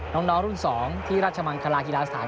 น้องรุ่น๒ที่ราชมังคลากีฬาสถาน